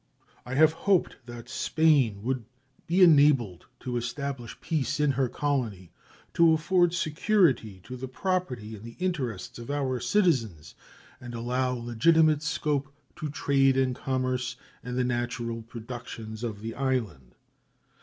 I have hoped that Spain would be enabled to establish peace in her colony, to afford security to the property and the interests of our citizens, and allow legitimate scope to trade and commerce and the natural productions of the island.